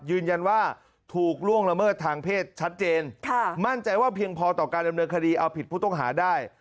ยืนยันว่าถูกล่วงละเมิดทางเพศชัดเจนมั่นใจว่าเพียงพอต่อการดำเนินคดีเอาผิดผู้ต้องหาได้